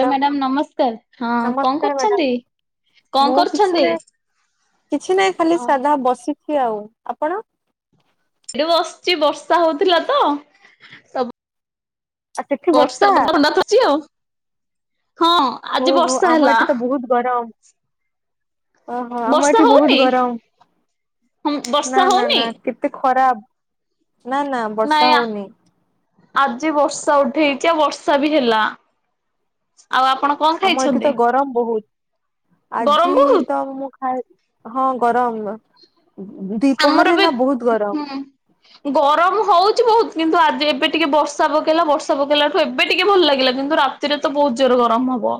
ହ ମ୍ୟାଡାମ ନମସ୍କାର ହଁ କଣ ନମସ୍କାର ମ୍ୟାଡାମ କରୁଛନ୍ତି? କଣ ମୁଁ କିଛି କରୁଛନ୍ତି? ନାହିଁ କିଛି ନାହିଁ ଖାଲି ସାଧା ଏଠି ବସିଛି ଆଉ ଆପଣ? ଏଠି ବସିଚି ବର୍ଷା ହଉଥିଲା ତ। ତ ଆଉ ସେଠି ବର୍ଷା ତ ଥଣ୍ଡା [inaudible] ଅଛି ଆଉ ହଁ। ଆଜି ଓହୋ ବର୍ଷା ଆମର ହେଲା ଏଠେ ତ ବହୁତ ଗରମ। ଓହୋ ଆମ ବର୍ଷା ଏଠି ବହୁତ ହଉନି ଗରମ ହଁ ବର୍ଷା ନା ନା ହଉନି ନା କେ ଏତେ ଖରାପ ନା ନା ନାଇଁ ବର୍ଷା ହଉନି। ଆଜି ବର୍ଷା ଉଠେଇଛି ଆଉ ବର୍ଷା ବି ହେଲା ଆଉ ଆପଣ କଣ ଆମ ଏଠି ଖାଇଛନ୍ତି? ତ ଗରମ ବହୁତ ଗରମ ଆଜି ବହୁତ ତ ମୁଁ ଖାଏ ହଁ ଗରମ ଆମର ବି ଦିପହରରେ ନା ବହୁତ ଗରମ ହୁଁ। ଗରମ ହଉଛି ବହୁତ କିନ୍ତୁ ଆଜି ଏବେ ଟିକେ ବର୍ଷା ପକେଇଲା ବର୍ଷା ପକେଇଲା ଏବେ ଟିକେ ଭଲ ଲାଗିଲା କିନ୍ତୁ ରାତିରେ ତ ବହୁତ ଜୋର ଗରମ ହବ।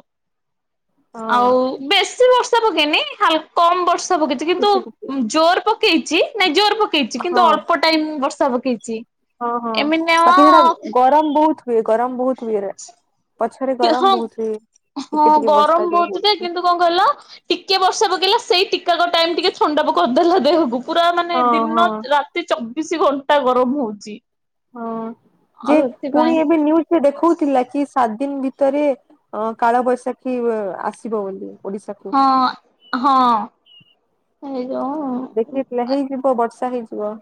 ହଁ ଆଉ ବେଶୀ ବର୍ଷା ପକେଇନିା କମ ବର୍ଷା ପକେଇଛି କିନ୍ତୁ ଟିକେ ଟିକେ ଜୋର ପକେଇଛି ନାଇଁ ଜୋର ପକେଇଛି କିନ୍ତୁ ହଁ ଅଳ୍ପ ଟାଇମ ବର୍ଷା ପକେଇଛି। ହଁ ହଁ ଏମି ନ ବାକି ସେଟା [unintelligible] ଗରମ ବହୁତ ହୁଏ ଗରମ ବହୁତ ହୁଏ ରେ ପଛରେ ହଁ ଗରମ ବହୁତ ହଁ ଟିକେ ଟିକେ ଗରମ ବର୍ଷା ଯୋଉ ବହୁତ ଯେ ହଉଛି। କିନ୍ତୁ କଣ କଲ ଟିକେ ବର୍ଷା ପକେଇଲା ସେଇ ଟିକାକ ଟାଇମ ଟିକେ ଥଣ୍ଡା କରିଦେଲା ଦେହକୁ। ପୁରା ମାନେ ହଁ ଦିନ ହଁ ରାତି ଚବିଶି ଘଣ୍ଟା ଗରମ ହଉଛି। ହଁ ଯେ ଆଉ ସେଥିପାଇଁ ପୁଣି ଏବେ ୁଜରେ ଦେଖଉଥିଲା କି ସାତ ଦିନ ଭିତରେ ଅ କାଳବୈଶାଖୀ ଆସିବ ବୋଲି ଓଡିଶାକୁ। ହଁ ହଁ ସେଇଯାଉ ଦେଖି ପଥିଲା ହେଇଯିବ ବର୍ଷା ହେଇଯିବ।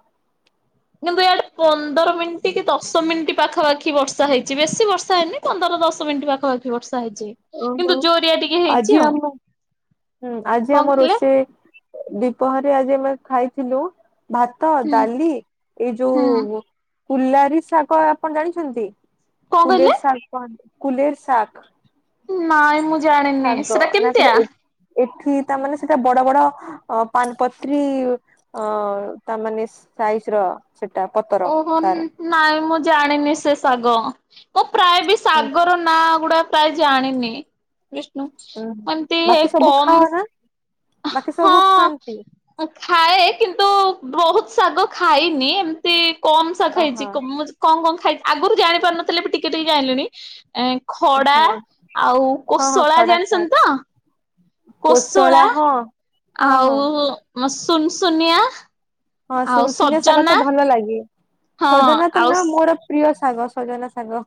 କିନ୍ତୁ ଇଆଡେ ପନ୍ଦର ମିନିଟ୍ କି ଦଶ ମିନିଟ୍ ପାଖାପାଖି ବର୍ଷା ହେଇଛି ବେଶୀ ବର୍ଷା ହେଇନି। ପନ୍ଦର ଦଶ ମିନିଟ ପାଖାପାି ବର୍ଷା ହେଇଛି। ଓହୋ କିନ୍ତୁ ଜୋରିଆ ଟିକେ ହେଇଛି ଆଜି ଆଉ ଆମ ହୁଁ ଆଜି କଣ ଆମ କହିଲେ ରୋଷେଇ ଦିପହରେ ଆଜି ଆମେ ଖାଇଥିଲୁ ଭାତ ହୁଁ ଡାଲି ଏଇ ହୁଁ ଯୋଉ କୁଲାରୀ ଶାଗ ଆପଣ ଜାଣିଛନ୍ତି କଣ କହିଲେ କୁଲେରୀ ଶାଗ କୁଲର ଶକ ନାଇଁ ମୁଁ ଜାଣିନି ସେଟା ନା କେମିତିଆ? ଏ ଏଠି ତାମାନୋନେ ସେଟା ବଡ ବଡ ଅ ପାନପତ୍ରୀ ଅ ତା ମାନେ ସାଇଜ ର। ସେଇଟା ପ ଓହୋ ନାଇଁ ମୁଁ ଜାଣିନି ସେ ଶାଗ ମୋ ପ୍ରାୟ ବି ହୁଁ ଶାଗର ନା ଗୁଡା ପ୍ରାୟ ଜାଣିନି ବିଷ୍ଣୁ ହୁଁ ମତି ବାକି ହେ ସବୁ ଖାଅ କମ ନା ବାକି ସବୁ ଖାଆନ୍ତି। ଖାଏ କିନ୍ତୁ ବହୁତ ଶାଗ ଖାଇନି ଏ ସେ କମ୍ସ ଖାଇଛି ଓହୋ ମୁ କଣ କଣ ଖାଇ ଆଗରୁ ଜାଣି ପାରୁନଥିଲେ ବି ଟିକେ ଟିକେ ଜାିଲୁଣି ହଁ ଖଡା ହଁ ଆଉ ହଁ କୋଶଳା ଖଡା ଶାଗ ଜାଣିସଛନ୍ତି ତ? କୋଶଳା ହଁ। ହଁ ହଁ ଆଉ ସୁନ ସୁୁନିଆ? ହଁ ଶନଆ ଶାଗର ତ ଭଲ ଲାଗେ ହଁ ସଜନା ତ ଆଉ ନା ମୋର ପ୍ରିୟ ସାଙ୍ଗ ସଜନା ସାଙ୍ଗ।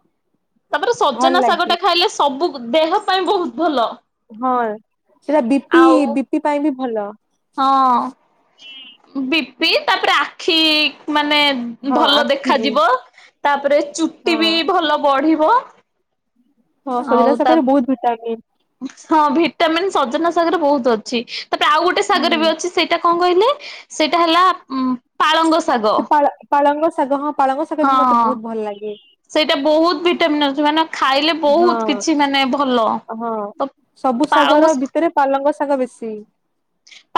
ତାପରେ ସଜନା ଶାଗ ଟା ଖାଇଲେ ସବୁ ଦେହ ପାଇଁ ବହୁତ ଭଲ। ହଁ ସେଇଟା ବି ପି ଆଉ ବି ପି ପାଇଁ ବି ଭଲ। ହଁ ବିପି ତାପରେ ଆଖି ମାନେ ହଁ ଭଲ ଆଖି ବି ଦେଖାଯିବ ତାପରେ ଚୁଟି ହଁ ବି ଭଲ ବଢିବ। ହଁ ସଜନା ଆଉ ତା ସଖରେ ବହୁତ ଭିଟାମିନ୍। ହଁ ଭିଟାମିନ୍ ସଜନା ସାଗର ବହୁତ ଅଛି ତାପରେ ଆଉ ଗୋଟେ ସାଗର ହୁଁ ବି ଅଛି ସେଇଟା କଣ କହିଲେ ସେଇଟା ହେଲା ଉ ପାଳଙ୍ଗ ସାଗର। ସେ ପାଳ ପାଳଙ୍ଗ ଶାଗ ହଁ ପାଳଙ୍ଗ ଶାଗ ବି ମତେ ହଁ। ବହୁତ ଭଲ ଲାଗେ। ସେଇଟା ବହୁତ ଭିଟାମନ୍ ଅଛି ମାନେ ଖାଇଲେ ବହୁତ ହଁ କିଛି ମାନେ ଭଲ ହଁ ତ ସବୁ ପାଳଙ୍ଗ ଶାଗର ଭିତରେ ପାଲଙ୍ଗ ଶାଗ ବେଶୀ।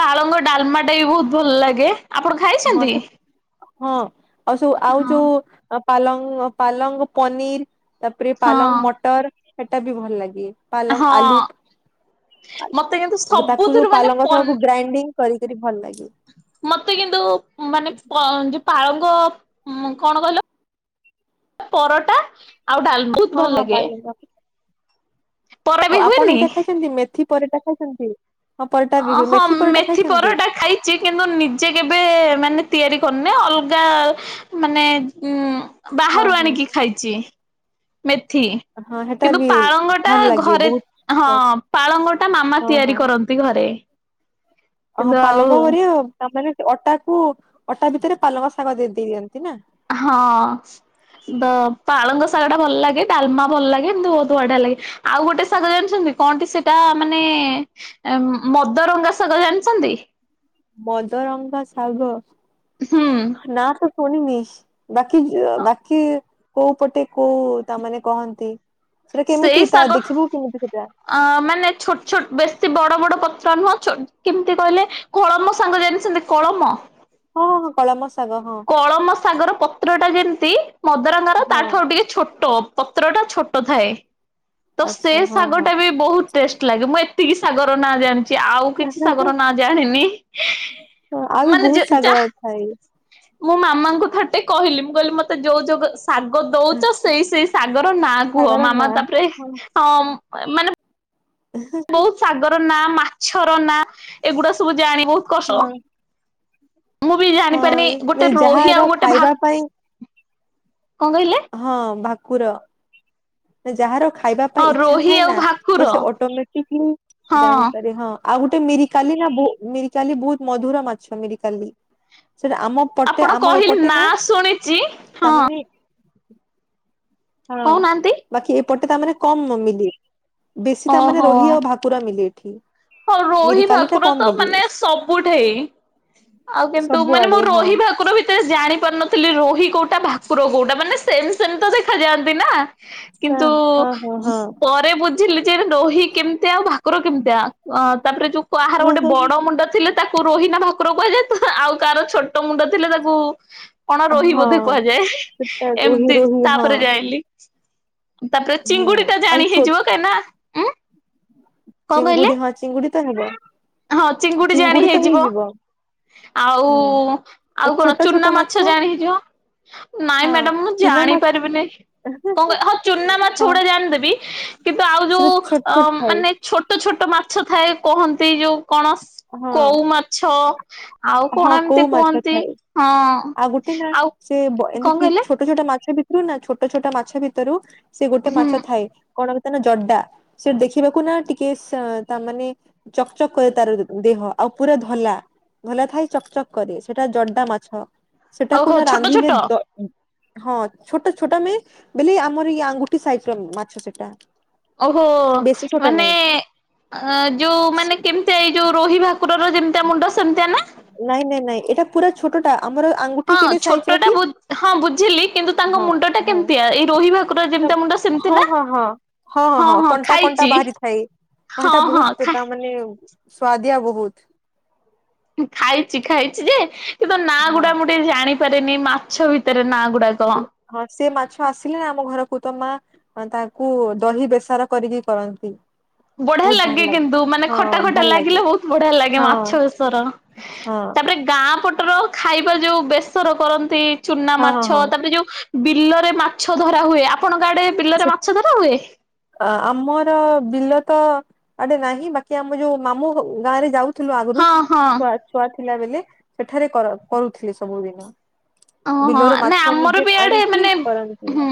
ପାଳଙ୍ଗ ଡାଲମା ଟା ବି ବହୁତ ଭଲ ଲାଗେ ଆପଣ ହଁ ଖାଇଛନ୍ତି? ସେ ହଁ ଆଉ ସବୁ ଆଉ ହଁ ଯୋଉ ପାଲଙ୍ଗ ପାଲଙ୍ଗ ପନିର। ତାପରେ ହଁ ପାଲଙ୍ଗ ମଟର ସେଟା ବି ଭଲ ଲାଗେ ହଁ ପାଲଙ୍ଗ ଆଲୁ ମତେ କିନ୍ତୁ ତାକୁ ଯୋଉ ସବୁଥିରୁ ମାନେ ପାଲଙ୍ଗ ପନି ସବକୁ ଗ୍ରାଇଣ୍ଡିଙ୍ଗ କରିକ ଭଲ ଲାଗେ। ମତେ କିନ୍ତୁ ମାନେ ଯ ପାଳଙ୍ଗ କଣ କହିଲ। ପରଟା ଆଉ ଡାଲମା ବହୁତ ହଁ ଭଲ ହଁ ଲାଗେ। ପାଲଙ୍ଗ ପରଟା ବି ଆଉ ଆପଣ ହୁଏନି? ଏଇଟା ଖାଇଛନ୍ତି ମେଥି ପରଟା ଖାଇଛନ୍ତି ହଁ ପରଟା ମେଥି ପରଟା ଖାଇଛନ୍ତି? ଯେ କିନ୍ତୁ ନିଜେ କେବେ ମାନେ ତିଆରି କରୁନେ ଅଲଗା ମାନେ ଉ ହଁ ବାହାରୁ ହଁ ଆଣିକି ଖାଇଛି। ମେଥି। ହଁ ହେଟା କିନ୍ତୁ ବି ପାଳଙ୍ଗ ଟା ଭଲ ଲାଗେ ଘରେ ବହୁତ ହଁ ପାଳଙ୍ଗ ଟା ମାମା ହଁ ହଁ ତିଆରି କରନ୍ତି। ଘରେ। ହଁ କିନ୍ତୁ ଆଉ ପାଲଙ୍ଗ କରି ତାମାନେ ଅଟା କୁ ଅଟା ଭିତରେ ପାଲଙ୍ଗ ଶାଗ ଦେଇ ଦେଇ ଦିଅନ୍ତି ନା। ହଁ ତ ପାଳଙ୍ଗ ଶାଗ ଟା ଭଲ ଲାଗେ ଡାଲମା ଭଲ ଲାଗେ ଏମତି ବହୁତ ବଢିଆ ଲାଗେ। ଆଉ ଗୋଟେ ସାଗ ଜାଣିଛନ୍ତି କଣଟି ସେଇଟା ମାନେ ମଦରଙ୍ଗା ଶାଗ ଜାଣିଛନ୍ତି? ମଦରଙ୍କା ଶାଗ ହୁଁ ନା ମୁଁ ଶୁଣିନି। ବାକି ବାକି କୋଉ ପଟେ କୋଉ ତାମାନେ କହନ୍ତି। ସେଟା ସେଇ କେମିତି ତା ଶାଗ ଦେଖିବୁ [unintelligible] ଅ ମାନେ ଛୋଟ ଛୋଟ ବେଶୀ ବଡ ବଡ ପତ୍ର ନୁହଁ ଛୋ କେମିତି କହିଲେ। କଳମ ସାଙ୍ଗ ଜାଣିଛନ୍ତି କଳମ? ହଁ ହଁ ହଁ କଳମ ଶାଗ ହଁ। କଳମ ଶାଗର ପତ୍ରଟା ଯେମିତି ମଦରଙ୍ଗାର ହଁ। ତାଠାରୁ ଟିକେ ଛୋଟ। ପତ୍ର ଟା ଛୋଟ ଥାଏ ତ ସେ ଆଚ୍ଛା ହଁ ଶାଗ ହଁ ଟା ବି ବହୁତ ଟେଷ୍ଟ ଲାଗେ ମୁଁ ଏତିକି ସାଗର ନାଁ ଜାଣିି ଆଉ କିଛି ସାଗର ନା ଜାଣିନି ମାନେ ଯେ ଯା ଖାଇ ମ ମାମାଙ୍କୁ ଥଟେ କହିଲି ମୁଁ କହିଲି ମତେ ଯୋଉ ଯୋ ଶାଗ ଦଉଛ ସେଇ ସେଇ ଶାଗର ନାଁ କୁହ ଶାଗର ନା ମାମା ତାପରେ ହଁ ମାନେ ହ ସାଗର ନା ମାଛର ନା ଏଗୁଡା ସବୁ ଜାଣି ବହୁତ କଷ୍ଟ ହଁ ମୁଁ ବି ଜାଣିପାରିନି ହଁ ଗୋଟେ ନାଇଁ ରୋହି ଯାହାର ଆଉ ଗୋଟେ ଭା ଖାଇବା ପାଇଁ କଣ କହିଲେ? ହଁ ଭାକୁର ଯାହାର ଖାଇବା ହଁ ପାଇଁ ଇଚ୍ଛା ରୋହି ଥାଏ ନା ଆଉ ଭାକୁର ତ ସେ ଅଟୋମେଟିକଲି ହଁ। ଜାଣିରେ ହଁ। ଆଉ ଗୋଟେ ମିରିକାଲି ନା ମିରିକାଲି ବହୁତ ମଧୁର ମାଛ ମିରିକାଲି। ସେଟା ଆମ ପଟେ ଆପଣ ଆମ କହିଲେ ଏପଟେ ନା ନାଁ ଶୁଣିଚି ହଁ ତାମାନେ ହଁ କହୁନାହାନ୍ତି ବାକି ଏପଟେ ତାମାନେେ କମ ନମିଲିବ ବେଶୀ ତାମାନେେ ଓହୋ। ରୋହି ଆଉ ଭା ପୁରା ମିିଲ ଏଠି। ହଁ ରୋହି ମିରିକାଲି ଟା ଭାକୁର କମ ତ ମିଲେ ମାନେ ସବୁଠେଇ ଆଉ କିନ୍ତୁ ମାନେ ମୋ ସବୁଆଡେ ହଁ ରୋହି ଭାକୁର ବି ତେ ଜାଣି ପାରୁନଥିଲି ରୋହି କୋଉଟା ଭାକୁର କୋଉଟା ମାନେ ସେମ ସେମି ତ ଦେଖା ଯାଆନ୍ତି ନା। କିନ୍ତୁ ହଁ ହଁ ପରେ ବୁଝିଲି ଯେ ଦହି କେମିତି ଆଉ ଭାକୁର କେମିତିଆ ତାପରେ ଯୋଉ କାହାର ଗୋଟେ ବଡ ହଁ ମୁଣ୍ଡ ଥିଲେ ତାକୁ ମୁଁ ରୋହିନା ଭାକୁର କହିଲେ, ତୁ ଆଉ କାହାର ଛୋଟ ମୁଣ୍ଡ ଥିଲେ ତାକୁ କଣ ରୋହି ହଁ ବୋଧେ କୁହାଯାଏ, ସେଟା ରୋହି ଏମିତି ରୋହି ହଁ ତାପରେ ଯାଇ ଲି। ତା ପରେ ହୁଁ ଚିଙ୍ଗୁଡି ଟା ଆଉ ଜାଣି ଛୋ ହେଇଯିବ, କାଇଁ ନା ଉଁ କଣ କହିଲେ ଚିଙ୍ଗୁଡି, ହଁ ଚିଙ୍ଗୁଡି ତ ହେବ। ହଁ ଚିଙ୍ଗୁଡି ଜାଣି ହେଇଯିବ। ଆଉ, ହୁଁ ଆଉ କଣ ଚୁନା ମାଛ ଜାଣି ହେଇଯିବ। ନାଇଁ ହଁ ମ୍ୟାଡାମ୍ ମୁଁ ଚୁନା ମା ଜାଣିପାରିବିିନି। କଣ କ? ହଁ ଚୁନା ମାଛ ହଁ ଗୁଡା ଜାଣିଦେବି, କିନ୍ତୁ ଆଉ ସେଟା ଯୋଉ ଛୋଟ ଅ ଛୋଟ ଥାଏ ମାନେ ଛୋଟ ଛୋଟ ମାଛ ଥାଏ, କହନ୍ତି ଯୋଉ କଣ ହଁ କଉ ମାଛ ଆଉ ହଁ କଣ କୋଉ ଏମିତି ମାଛ କୁହନ୍ତି, ଥାଏ ହଁ। ଆଉ ଗୋଟେ ନା ଆଉ ସେ ବ କଣ ଏମିତି କହିଲେ ଛୋଟ ଛୋଟ ମାଛ ଭିତରୁ ନା, ଛୋଟ ଛୋଟ ମାଛ ଭିତରୁ ସେ ଗୋଟେ ହୁଁ ମାଛ ଥାଏ। କଣ କଥ୍ନା ଜଡା, ସେ ଦେଖିବାକୁ ନା ଟିକେ ସେ ତା ମାନେ ଚକ୍ ଚକ୍ କରେ ତାର୍ ଦେହ, ଆଉ ପୁରା ଧଲା, ଧଲା ଥାଏ ଚକ୍ ଚକ୍ କରେ, ସେଟା ଜଡା ମାଛ। ସେଟାକୁ ଓହୋ ନା ଛୋଟ ରାନ୍ଧିଲେ ଛୋଟ ଦ ହଁ, ଛୋଟ ଛୋଟ ମି ବଲେ ଆମର ଏଇ ଆଙ୍ଗୁଟି ସାଇଜ୍ର ମାଛ ସେଟା। ଓହୋ, ବେଶୀ ଛୋଟ ମାନେ ଅ ଯୋଉ ନାହିଁ ମାନେ କେମିତିଆ? ଏଇ ଯୋଉ ରୋହି ଭାକୁ ଭାକୁର ର ଯେମିତିଆ ମୁଣ୍ଡ ସେମିତିଆ ନା? ନାଇଁ ନାଇଁ ନାଇଁ, ଏଟା ପୁରା ଛୋଟ ଟା ଆମର ଆଙ୍ଗୁଟ୍ ହଁ ଛୋଟ ଟା ବୁଜ୍ ହଁ ବୁଝିଲି, କିନ୍ତୁ ତାଙ୍କ ହଁ ମୁଣ୍ଡ ଟା ହଁ କେମତିଆ? ଏଇ ରୋହି ଭାକ୍ ଭାକୁର ର ତ ଯେମିତିଆ ମୁଣ୍ଡ ସେମିତିଆ ହଁ ନା? ହଁ ହଁ। ହଁ ହଁ ହଁ କଣ୍ଟା କଣ୍ଟା ବାହାରିଥାଏ, ହଁ ହେଟା ହଁ ବହୁତ୍ ଖା ତା ମାନେ ସୁଆଦିହା ବହୁତ୍। ଖାଇଚି ଖାଇଚି ଯେ, କିନ୍ତୁ ନା ହଁ ଗୁଡ଼ା ମୁଁ ଟିକେ ଜାଣିି ପାରେନି, ମାଛ ଭିତରେ ନା ଗୁଡ଼ାକ। ହଁ ସିଏ ମାଛ ଆସିଲେ ଆମ ଘରକୁ ତ, ମା ହଁ ତାକୁ ଦହି ବେସର କରିକି କରନ୍ତି। ବଢି଼ଆ ବହୁତ ଭଲ ଲାଗେ କିନ୍ତୁ ମାନେ ହଁ ଖଟା ଖଟା ଭଲ ଲାଗେ ଲାଗିଲେ ବହୁତ୍ ବଢି଼ଆ ଲାଗେ ହଁ ମାଛ ବେଶର। ହଁ ତାପରେ ଗାଁ ପଟର ଖାଇବା ଯୋଉ ବେସର କରନ୍ତି ଚୁନା ହଁ ହଁ ମାଛ, ହଁ ତାପରେ ଯୋଉ ବିଲରେ ମାଛ ଧରାହୁଏ, ଆପଣଙ୍କ ଆଡ଼େ ସେ ବିଲରେ ମାଛ ଧରାହୁଏ? ଅ ଆମର ବିଲ ତ ଆଡ଼େ ନାହିଁ, ବାକି ଆମ ଯୋଉ ମାମୁ ଗାଁରେ ଯାଉଚ୍ ଥିଲୁ ଆଗରୁ, ହଁ ହଁ। ଛୁଆ ଛୁଆ ଥିଲା ବେଲେ ସେଠାରେ କର୍ କରୁଥିଲେ ସବୁଦିନ। ଅଁ ହଁ, ବିଲରୁ ନା ମାଛ ଆମର ନିଜେ ବି ଆଡ଼େ ଆଣିକି ମାନେ, କରନ୍ତି ହୁଁ।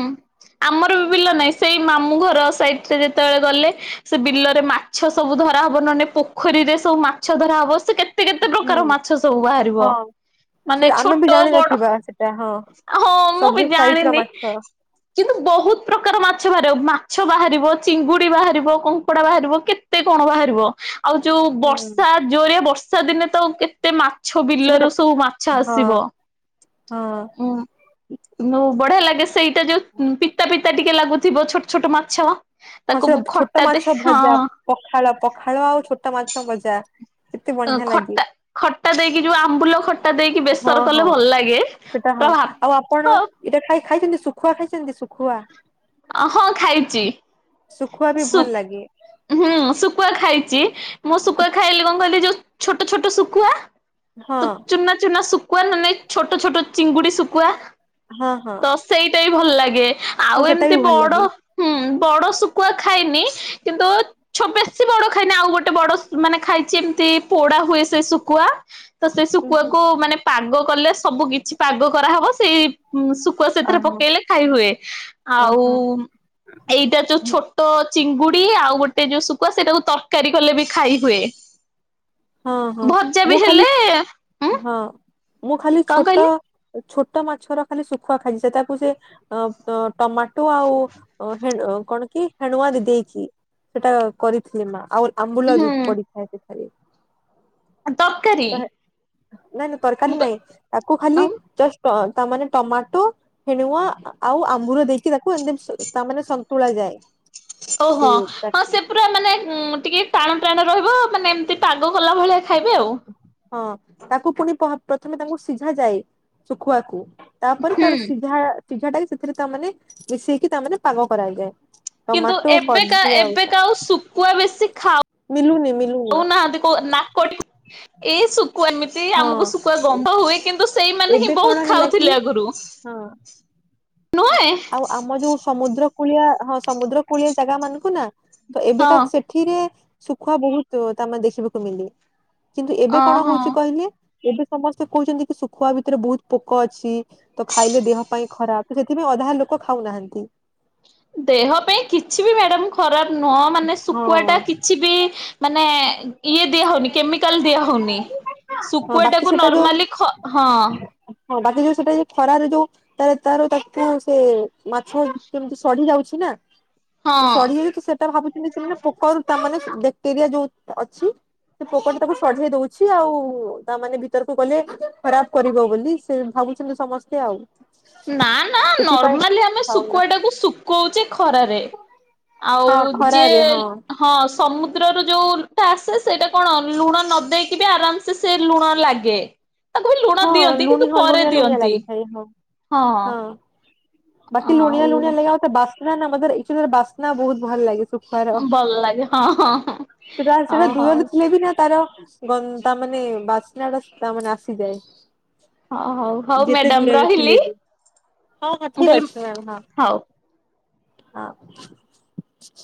ଆମର ବି ବିଲ ନାଇଁ, ସେଇ ମାମୁଁ ଘର ସାଇଟ୍। ସିଏ ଯେତେବେଳେ ଗଲେ, ସେ ବିଲରେ ମାଛ ସବୁ ଧରାହବ, ନନେ ପୋଖରୀରେ ସବୁ ମାଛ ଧରାହବ। ସେ କେତ୍ କେତେ କେତେ ହୁଁ ପ୍ରକାର ମାଛ ସବୁ ବାହାରିବ, ହଁ। ମାନେ ଛୋଟ ବଡ଼ ଓହୋ। ଆ ହଁ, ମୁଁ ବି ଜାଣିନି। କିନ୍ତୁ ବହୁତ୍ ପ୍ରକାର ମାଛ ବାହାରିବ, ମାଛ ବାହାରିବ, ଚିଙ୍ଗୁଡି ବାହାରିବ, କଙ୍କଡ଼ା ବାହାରିବ, କେତ୍ କେତେ କଣ ବାହାରିବ, ଆଉ ଯୋଉ ହୁଁ। ବର୍ଷା ଜୋରିଆ ବର୍ଷା ଦିନେ ତ, କେତ୍ କେତେ ମାଛ, ବିଲ ସେମାନେ ରୁ ସବୁ ମାଛ ହଁ ଆସିବ। ହଁ। ହୁଁ। ଉଁ ବଢି଼ଆ ଲାଗେ, ସେଇଟା ଯୋଉ ପିତା ପିତା ଟିକେ ଲାଗୁଥିବ, ଛୋଟ ଛୋଟ ମାଛ। ହଁ ତାକୁ ସେ ବୁ ଛୋଟ ଖଟା ମାଛ ଦେ, ହଁ। ଭଜା ପଖାଳ, ପଖାଳ ଆଉ ଛୋଟ ମାଛ ଭଜା। କେତେ ବଢିଆ ଲାଗେ ଖଟା ଖଟା ଦେଇକି ଯୋଉ ଆମ୍ବୁଲ ଖଟା ଖଟା ଦେଇକି ହଁ ବେସର ହଁ। କଲେ ଭଲ ଲାଗେ ସେଟା ହଁ ପୁରା ଆଉ ଆପଣ ଭାତ। ଏଇଟା ଖାଇ ଖାଇଛନ୍ତି ଶୁଖୁଆ ଖାଇଛନ୍ତି ଶୁଖୁଆ? ହଁ ଖାଇଛି। ଶୁଖୁଆ ବି ସୁ ଭଲ ଲାଗେ। ହୁଁ ଶୁକୁଆ ଖାଇଛି ମୁଁ ଶୁକୁଆ ଖାଇଲେ କଣ କହିଲି ଯୋଉ ଛୋଟ ଛୋଟ ଶୁଖୁଆ ହଁ ତ ଚୁନା ଚୁନା ସୁକୁଆ ନ ନାଇଁ ଛୋଟ ଛୋଟ ଚିଙ୍ଗୁଡ଼ି ସୁକୁଆ ହଁ ହଁ ତ ସେଇଟା ବି ଭଲ ଲାଗେ ହଁ ଆଉ ସେଟା ଏମତି ବି ଭଲ ଲାଗେ। ହୁଁ ବଡ଼ ଶୁକୁଆ ଖାଇନି କିନ୍ତୁ ବେଶୀ ବଡ଼ ଖାଇନି ଆଉ ଗୋଟେ ବଡ଼ ମାନେ ଖାଇଛି ଏମିତି ପୋଡ଼ା ହୁଏ ସେ ଶୁଖୁଆ। ତ ସେ ଅହ ଶୁକୁଆକୁ ମାନେ ପାଗ କଲେ ସବୁ କିଛି ପାଗ କରାହବ। ସେଇ ଶୁକୁଆ ସେଥିରେ ପକେଇଲେ ଖାଇ ହୁଏ ଅହ ଆଉ ଏଇଟା ଯୋଉ ଛୋଟ ଚିଙ୍ଗୁଡି଼ ଆଉ ଗୋଟେ ଯୋଉ ଶୁଖୁ ସେଇଟାକୁ ତରକାରୀ କଲେ ବି ଖାଇ ହୁଏ। [inaudible] ହଁ ହଁ ଭଜା ବି ମୁଁ ଖାଲି ହେଲେ ଉଁ ହଁ ମୁଁ ଖାଲି କଣ ଛୋଟ କହିଲେ ଛୋଟ ମାଛର ଖାଲି ଶୁଖୁଆ ଖାଇଲି ସେତାକୁ ସେ ଅ ଟମାଟୋ ଆଉ କଣ କି ହେଣୁଆ ଦେଇକି। ସେଟା କରିଥିଲେ ମା ଆଉ ଆମ୍ବୁଲ ବି ହୁଁ ପଡି଼ଥାଏ ସେଠାରେ। ତରକାରୀ। ତ ନାଇଁ ନାଇଁ ମୁଁ ତରକାରୀ ନାଇଁ ତାକୁ ଖାଲି ଆଉ ଜଷ୍ଟ୍ ତାମାନେ ଟମାଟୋ ଫେଣୁଆ ଆଉ ଆମ୍ବୁଲ ଦେଇକି ତାକୁ ଏମତି ତାମାନେ ସନ୍ତୁଳା ଯାଏ। ସେ ଓହୋ ହଁ ତାଟି ସେ ପୁରା ମାନେ ଟିକେ ଟାଣ ଟାଣ ରହିବ ମାନେ ଏମିତି ପାଗ କଲା ଭଳିଆ ଖାଇବେ ଆଉ। ହଁ ତାକୁ ପୁଣି ପ୍ରଥମେ ତାଙ୍କୁ ସିଝା ଯାଏ ଚୁଖୁଆକୁ। ତାପରେ ତାର ସିଝା ସିଝା ଟା କି ସେଥିରେ ତା ମାନେ ମିଶେଇକି ତା ମାନେ ପାଗ କରାଯାଯାଏ। କିନ୍ତୁ ଏବେକା ଏବେକା ଆଉ ଶୁଖୁଆ ବେଶୀ ଖାଉ ମିଲୁନି ମିଲୁନି କଉନାହାନ୍ତି କ ନାକି ଟେକି ଏଇ ଶୁଖୁଆ ଏମିତି ହଁ ଆମକୁ ଶୁଖୁଆ ଗନ୍ଧ ହୁଏ। କିନ୍ତୁ ସେଇମାନେ ହିଁ ଏବେ କଣ ବହୁତ ହେଲା କି ଖାଉଥିଲେ ଆଗରୁ। ହଁ ନୁହେଁ ଆଉ ଆମ ଯୋଉ ସମୁଦ୍ର କୂଳିଆ ହଁ ସମୁଦ୍ର କୂଳିଆ ଜାଗା ମାନଙ୍କୁ ନା ତ ହଁ ଏବେକା ସେଠିରେ ଶୁଖୁଆ ବହୁତ ତମେ ଦେଖିବାକୁ ମିିଲେ। କିନ୍ତୁ ଏବେ କଣ ଓହୋ। ହଉଛି କହିଲେ ଏବେ ସମସ୍ତେ କହୁଛନ୍ତି କି ଶୁଖୁଆ ଭିତରେ ବହୁତ ପୋକ ଅଛି। ତ ଖାଇଲେ ଦେହ ପାଇଁ ଖରାପ ତ ସେଥିପାଇଁ ଅଧା ଲୋକ ଖାଉନାହାନ୍ତି। ଦେହ ପାଇଁ କିଛି ବି ମ୍ୟାଡାମ ଖରାପ ନୁହଁ ମାନେ ଶୁଖୁଆ ହଁ ଟା କି କିଛି ବି ମାନେ ଇଏ ଦିଆହଉନି କେମିକାଲ ଦିଆ ହଉନି ହଁ ଶୁଖୁଆ ବାକି ଟାକୁ ସେଟା ଯୋଉ ନର୍ମାଲି ଖ ହଁ ହଁ ବାକି ଯୋଉ ସେଟା ଯ ଖରାରେ ଯୋଉ ତାର ତାର ତାକୁ ସେ ମାଛ କେମିତି ସଢି ଯାଉଛି ନା ହଁ ସଢ ସେଟା ଭାବୁଛନ୍ତି ସେମାନେ ପୋକରୁ ତା ମାନେ ବକ୍ଟେରିଆ ଯୋଉ ଅଛି ସେ ପୋକଟା ତାକୁ ସଢେଇ ଦଉଛି ଆଉ ତା ମାନେ ଭିତରକୁ ଗଲେ ଖରାପ କରିବ ବୋଲି। ସେ ଭାବୁଛନ୍ତି ସମସ୍ତେ ଆଉ। ନା ନା ସେଥିପାଇଁ ନର୍ମାଲି ଆମେ ଖାଉନା ଶୁଖୁଆଟାକୁ ଶୁଖଉଛେ ଖରାରେ। ଆଉ ହଁ ଖରାରେ ଯିଏ ହଁ ସମୁଦ୍ରରୁ ଯୋଉ ଟା ଆସେ ସେଇଟା କଣ ଲୁଣ ନ ଦେଇେଇକି ବି ଆରାମ ସେ ସେ ଲୁଣ ଲାଗେ ତାକୁ ବି ଲୁଣ ହଁ ଦିଅନ୍ତି ଲୁଣି କିନ୍ତୁ ହଁ ପରେ ଲୁଣିଆ ଦିଅନ୍ତି। [unintelligible] ହଁ। ବାକି ଲୁଣିଆ ଲୁଣିଆ ଆଉ ଲାଗା ବାସ୍ନା ବାସ୍ନା ବହୁତ ଭଲ ଲାଗେ ହର ଭଲ ଲାଗେ ହଁ ହଁ ସେଟା ହଁ ସେଟା ହଉ ଦୁହ ହଉ ଦେ ଥିଲେ ବି ନା ତାର ଗନ୍ତା ମାନେ ବାସ୍ନାଡା ତା ମାନେ ଆସିଯାଏ। ହଉ ହଉ ହଉ ଯେତେ ମ୍ୟାଡାମ ଦୂରରେ ରହିଲି ଥିଲେବି। ହଁ ହଁ ମୁଁ ଠିକ କହିଲି ଅଛି ମ୍ୟା ହଉ। ହଁ ହଁ।